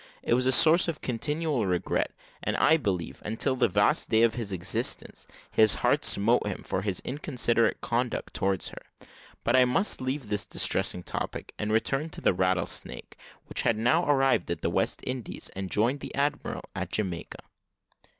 It was a source of continual regret; and I believe, until the last day of his existence, his heart smote him for his inconsiderate conduct towards her. But I must leave this distressing topic, and return to the Rattlesnake, which had now arrived at the West Indies, and joined the admiral at Jamaica.